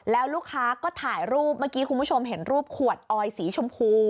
แล้วลูกค้าก็ถ่ายรูปเมื่อกี้คุณผู้ชมเห็นรูปขวดออยสีชมพู